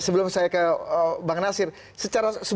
sebelum saya ke bang nasir